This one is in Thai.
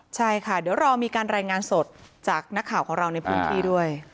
ใช่ค่ะเดี๋ยวรอมีการรายงานสดจากนักข่าวของเราในพื้นที่ด้วย